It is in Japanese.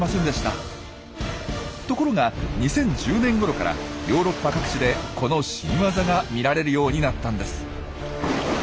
ところが２０１０年ごろからヨーロッパ各地でこの新ワザが見られるようになったんです。